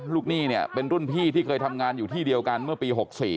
หนี้เนี่ยเป็นรุ่นพี่ที่เคยทำงานอยู่ที่เดียวกันเมื่อปี๖๔